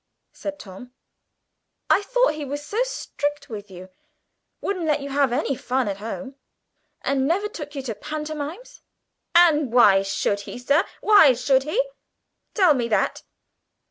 said Tom. "I thought he was so strict with you. Wouldn't let you have any fun at home, and never took you to pantomimes?" "And why should he, sir, why should he? Tell me that.